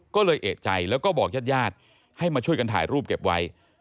ก็เลยเอกใจแล้วก็บอกญาติญาติให้มาช่วยกันถ่ายรูปเก็บไว้